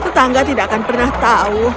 tetangga tidak akan pernah tahu